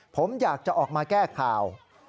ผมอยากจะออกมาแก้ข่าว